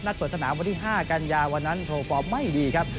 เปิดสนามวันที่๕กันยาวันนั้นโทรฟอร์มไม่ดีครับ